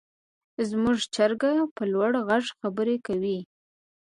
زموږ چرګه په لوړ غږ خبرې کوي.